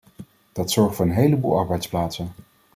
Dat zorgt voor een heleboel arbeidsplaatsen.